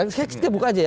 sekarang kita buka aja ya